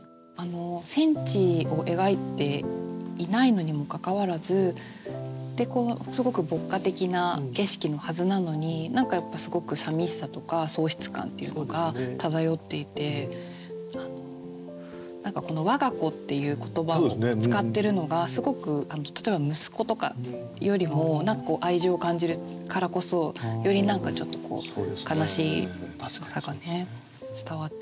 戦地を描いていないのにもかかわらずですごく牧歌的な景色のはずなのに何かやっぱすごくさみしさとか喪失感っていうのが漂っていてこの「わが子」っていう言葉を使ってるのがすごく例えば「息子」とかよりも何かこう愛情を感じるからこそよりちょっと悲しさがね伝わってきますね。